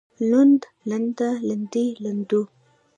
لوند لنده لندې لندو